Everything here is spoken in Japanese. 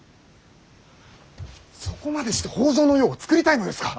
そこまでして北条の世をつくりたいのですか。